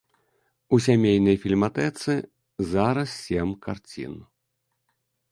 У сямейнай фільматэцы зараз сем карцін.